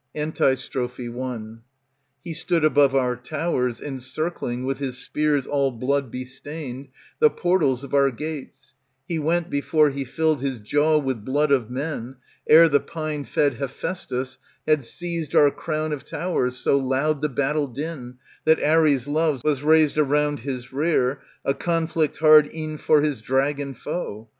Antistrophe I He stood above our towers. Encircling, with his spears all blood bestained. The portals of our gates ; He went, before he filled ^^ His jaw with blood of men. Ere the pine fed Hephaestos Had seized our crown of towers So loud the battle din That Ares loves was raised around his lear, A conflict hard e'en for his dragon foe.